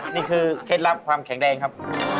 นี่คือเคล็ดลับความแข็งแดงครับ